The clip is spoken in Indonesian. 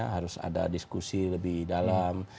harus ada diskusi lebih dalam